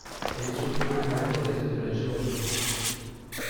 Elle est surtout répandue dans l'est de la Géorgie.